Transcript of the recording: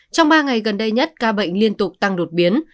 trong ba ngày gần đây nhất ca bệnh liên tục tăng đột biến